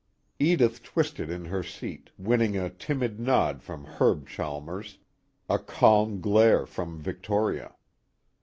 Edith twisted in her seat, winning a timid nod from Herb Chalmers, a calm glare from Victoria.